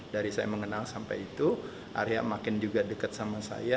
dari saya mengenal sampai itu arya makin juga dekat sama saya